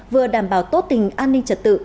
vừa đảm bảo tốt tình an ninh trật tự